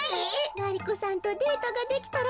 ガリ子さんとデートができたら。